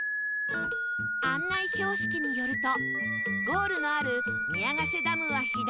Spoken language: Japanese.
案内標識によるとゴールのある宮ヶ瀬ダムは左